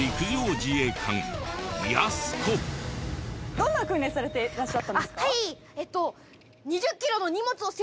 どんな訓練されていらっしゃったんですか？